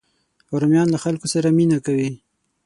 رومیان له خلکو سره مینه کوي